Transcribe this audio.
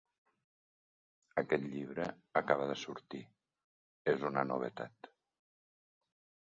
Aquest llibre acaba de sortir: és una novetat.